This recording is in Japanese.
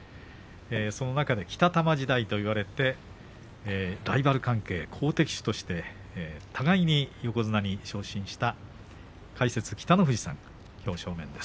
その中で北玉時代と言われてライバル関係、好敵手として互いに横綱に昇進した解説、北の富士さんきょう正面です。